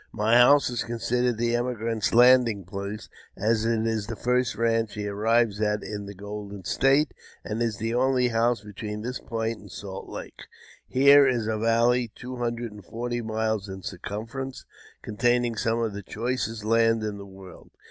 My house is considered the emigrant's landing place, as it is the first ranch he arrives at in the golden state, and is the only house between this point and Salt Lake. Here is a valley two hundred and forty miles in circumference, containing some of the choicest land in the world.